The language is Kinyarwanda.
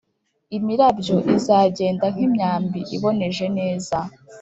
Imirabyo izagenda nk’imyambi iboneje neza,